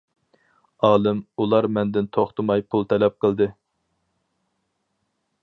ئالىم: ئۇلار مەندىن توختىماي پۇل تەلەپ قىلدى.